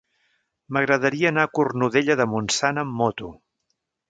M'agradaria anar a Cornudella de Montsant amb moto.